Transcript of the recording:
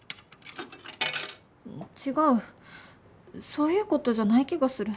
違うそういうことじゃない気がする。